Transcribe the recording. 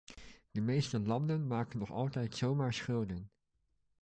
De meeste landen maken nog altijd zomaar schulden.